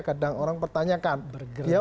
kadang orang pertanyakan bergerak